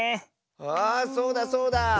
あそうだそうだ！